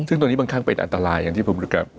ซึ่งตรงนี้บางครั้งเป็นอันตรายอย่างที่ผมรู้จัก